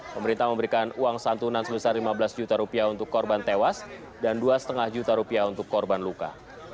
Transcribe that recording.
pemerintah memberikan uang santunan sebesar rp lima belas untuk korban tewas dan rp dua lima ratus untuk korban luka